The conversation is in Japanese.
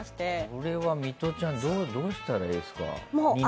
これはミトちゃんどうしたらいいですか？